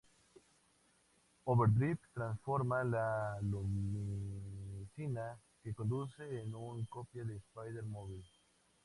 Overdrive transforma la limusina que conduce en una copia de Spider-Mobile.